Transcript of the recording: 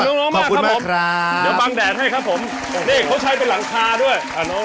เดี๋ยวก็ปังแดดให้ครับผมนี่เขาใช้เป็นหลังคาด้วย